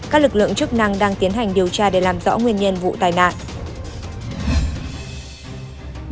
các lực lượng chức năng đang tiến hành điều tra để làm rõ nguyên nhân vụ tai nạn